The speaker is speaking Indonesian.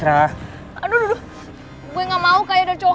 aduh aduh aduh